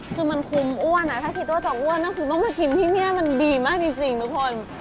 คือมันคุมอ้วนถ้าคิดว่าจะอ้วนก็คือต้องมากินที่นี่มันดีมากจริงทุกคน